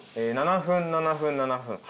７分７分７分。